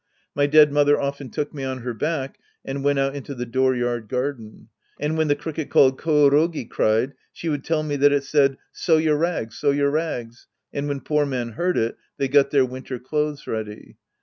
My dead mother often took me on her back and went out into the dooryard garden. And when the cricket called korogi cried, she would tell me that it said, " Sew your rags, sew your rags," and when poor men heard it, they got their winter clothes ready.